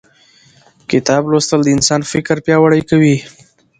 کتاب لوستل د انسان فکر پیاوړی کوي